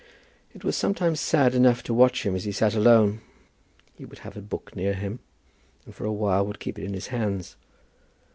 It was sometimes sad enough to watch him as he sat alone. He would have a book near him, and for a while would keep it in his hands.